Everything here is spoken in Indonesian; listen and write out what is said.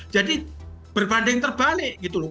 jadi berbanding terbalik gitu loh